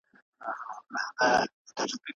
نړۍ به خپله اصلاح شي.